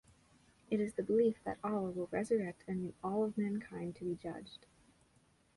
It is the belief that Allah will resurrect all of mankind to be judged.